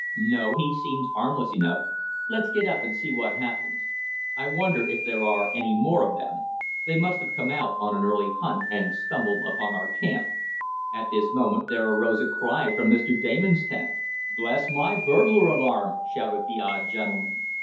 "No, he seems harmless enough. Let's get up, and see what happens. I wonder if there are any more of them? They must have come out on an early hunt, and stumbled upon our camp." At this moment there arose a cry from Mr. Damon's tent. "Bless my burglar alarm!" shouted the odd gentleman.